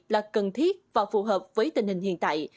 là cần thiết và phù hợp với tình hình hiện tại